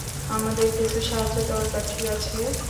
আমাদের কিছু সাহায্য দরকার, ঠিক আছে?